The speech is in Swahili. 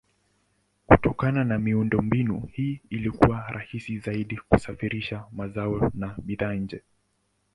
Kutokana na miundombinu hii ilikuwa rahisi zaidi kusafirisha mazao na bidhaa nje.